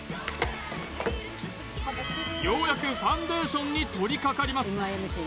ようやくファンデーションにとりかかります